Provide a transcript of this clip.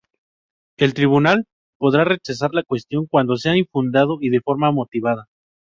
El Tribunal podrá rechazar la cuestión cuando sea infundado y de forma motivada.